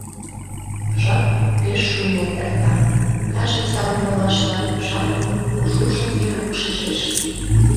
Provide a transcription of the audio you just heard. Жап пеш шуйнен эрта, кажне савырнымашлан жапын кужужым Верук шижеш.